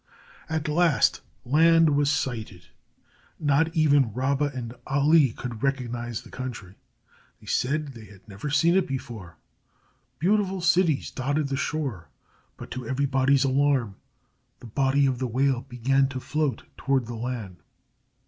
At last land was sighted. Not even Rabba and Ali could recognize the country. They said they had never seen it before. Beautiful cities dotted the shore, but to everybody's alarm, the body of the whale began to float toward the land.